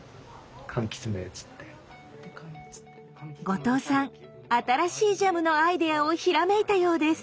後藤さん新しいジャムのアイデアをひらめいたようです。